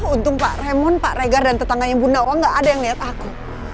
untung pak remon pak regar dan tetangganya bunda uang gak ada yang lihat aku